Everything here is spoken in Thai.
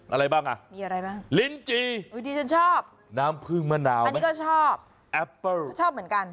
อะไรบ้างอ่ะมีอะไรบ้างลิ้นจีอุ้ยดิฉันชอบน้ำผึ้งมะนาวอันนี้ก็ชอบแอปเปิ้ลก็ชอบเหมือนกัน